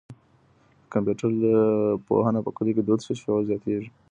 که کمپيوټر پوهنه په کلیو کي دود شي، شعور زیاتېږي.